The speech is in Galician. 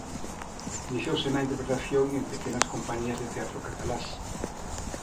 Iniciouse na interpretación en pequenas compañías de teatro catalás.